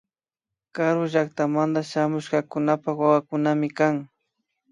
Karu llaktamanta shamushkakunapak wawakunami kan